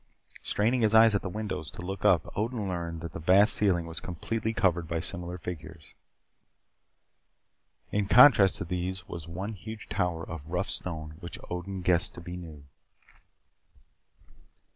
Straining his eyes at the windows to look up, Odin learned that the vast ceiling was completely covered by similar figures. In contrast to these was one huge tower of rough stone which Odin guessed to be new.